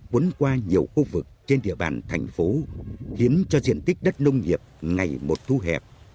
cây quất được đưa qua nhiều khu vực trên địa bàn thành phố khiến cho diện tích đất nông nghiệp ngày một thu hẹp